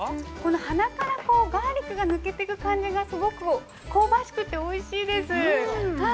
◆鼻からガーリックが抜けていく感じがすごく香ばしくておいしいです。